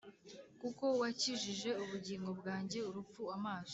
Kuko wakijije ubugingo bwanjye urupfu amaso